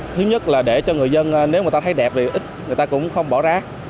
thứ nhất là để cho người dân nếu người ta thấy đẹp thì ít người ta cũng không bỏ rác